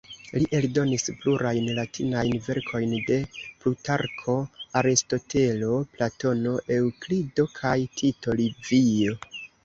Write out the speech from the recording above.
Li eldonis plurajn latinajn verkojn de Plutarko, Aristotelo, Platono, Eŭklido kaj Tito Livio.